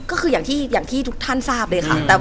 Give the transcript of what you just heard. ก็คืออย่างที่ทุกท่านทราบเลยค่ะ